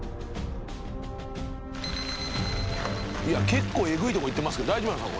結構えぐいとこ行ってますけど大丈夫なんすか？